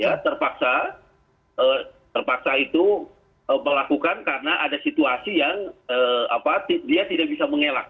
ya terpaksa terpaksa itu melakukan karena ada situasi yang dia tidak bisa mengelak